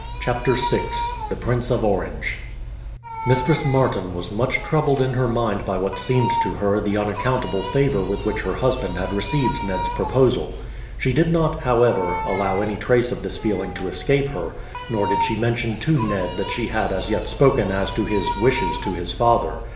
CHAPTER VI THE PRINCE OF ORANGE Mistress Martin was much troubled in her mind by what seemed to her the unaccountable favour with which her husband had received Ned's proposal. She did not, however, allow any trace of this feeling to escape her, nor did she mention to Ned that she had as yet spoken as to his wishes to his father.